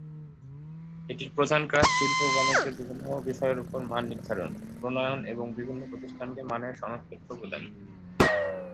এটির প্রধান কাজ শিল্প ও বাণিজ্যের বিভিন্ন বিষয়ের উপর মান নির্ধারণ, প্রণয়ন এবং বিভিন্ন প্রতিষ্ঠানকে মানের সনদপত্র প্রদান।